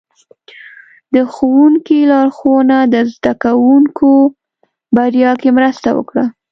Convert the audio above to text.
د ښوونکي لارښوونه د زده کوونکو بریا کې مرسته وکړه.